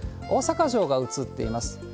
大阪城が映っています。